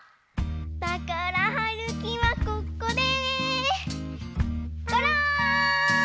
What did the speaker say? だからはるきはここでゴローン！